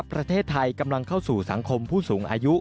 ประเทศไทยกำลังเข้าสู่สังคมผู้สูงอายุ